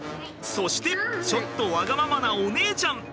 そしてちょっとわがままなお姉ちゃん！